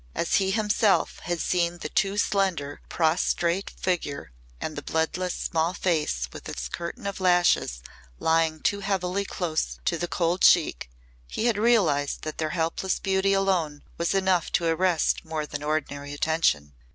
As he himself had seen the too slender prostrate figure and the bloodless small face with its curtain of lashes lying too heavily close to the cold cheek, he had realised that their helpless beauty alone was enough to arrest more than ordinary attention.